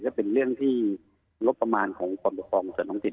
ก็เป็นเรื่องไร้งบประมาณคนนมุมเป็นองค์ประครองส่วนธรรมถิต